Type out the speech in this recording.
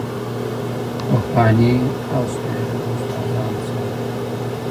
پخواني او سپینږېرو استادانو سره